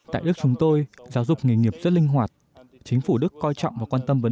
tại đức chúng tôi giáo dục nghề nghiệp rất linh hoạt chính phủ đức coi trọng và quan tâm vấn